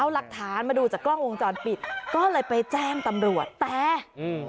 เอาหลักฐานมาดูจากกล้องวงจรปิดก็เลยไปแจ้งตำรวจแต่อืม